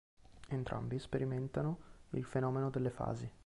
Entrambi sperimentano il fenomeno delle fasi.